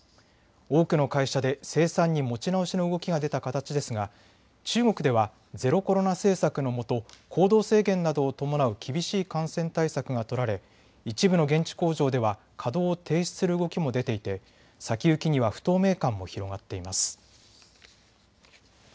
多くの会社で生産に持ち直しの動きが出た形ですが中国ではゼロコロナ政策のもと行動制限などを伴う厳しい感染対策が取られ一部の現地工場では稼働を停止する動きも出ていて先行きには不透明感も広がっています。